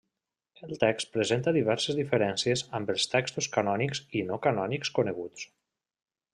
El text presenta diverses diferències amb els textos canònics i no canònics coneguts.